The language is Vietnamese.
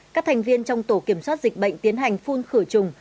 các thành viên trong tổ kiểm soát dịch bệnh tiến hành phun khử trùng